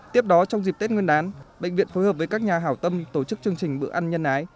tiếp đó trong dịp tết nguyên đán bệnh viện phối hợp với các nhà hảo tâm tổ chức chương trình bữa ăn nhân ái